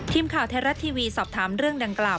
ทีมข่าวไทยรัฐทีวีสอบถามเรื่องดังกล่าว